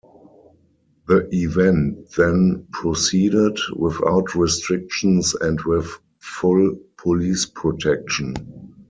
The event then proceeded, without restrictions and with full police protection.